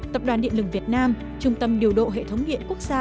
tập đoàn điện lực việt nam trung tâm điều độ hệ thống điện quốc gia